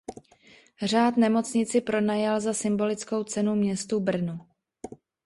Řád nemocnici pronajal za symbolickou cenu městu Brnu.